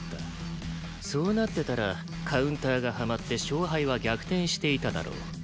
そうなってたらカウンターがはまって勝敗は逆転していただろう。